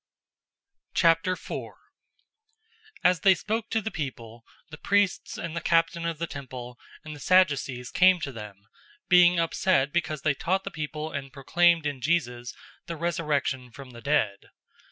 004:001 As they spoke to the people, the priests and the captain of the temple and the Sadducees came to them, 004:002 being upset because they taught the people and proclaimed in Jesus the resurrection from the dead.